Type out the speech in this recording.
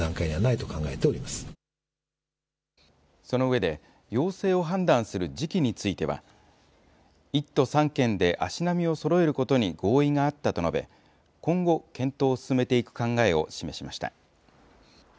その上で、要請を判断する時期については、１都３県で足並みをそろえることに合意があったと述べ、今後、検討を進めていく考えを示しました。